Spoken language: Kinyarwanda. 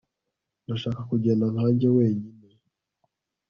Ndashaka kugenda nkanjye wenyine